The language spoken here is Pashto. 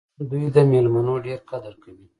دوی د میلمنو ډېر قدر کوي.